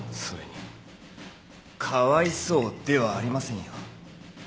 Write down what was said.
それにかわいそうではありませんよ。